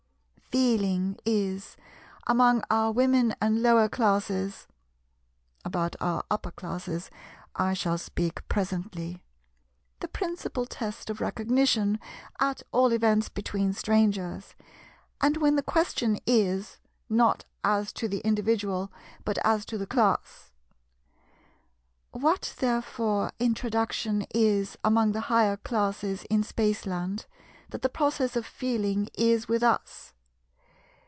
Feeling is, among our Women and lower classes—about our upper classes I shall speak presently—the principal test of recognition, at all events between strangers, and when the question is, not as to the individual, but as to the class. What therefore "introduction" is among the higher classes in Spaceland, that the process of "feeling" is with us.